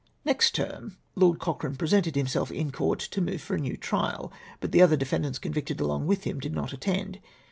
" Next term. Lord Cochrane presented himself in Court to move for a new trial, but the other defendants convicted along with him . did not attend.